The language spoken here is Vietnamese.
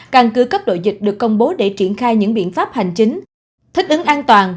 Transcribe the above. căn cứ cấp đội dịch được công bố để triển khai những biện pháp hành chính thích ứng an toàn